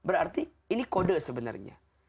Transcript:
berarti ini kode sebenarnya